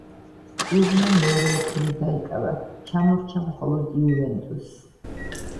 კლუბმა მეორე ადგილი დაიკავა, ჩამორჩა მხოლოდ იუვენტუსს.